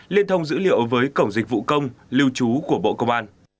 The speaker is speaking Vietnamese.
liên thông dữ liệu với cổng dịch vụ công của bộ công an